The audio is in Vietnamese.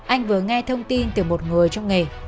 anh vừa nghe thông tin từ một người trong nghề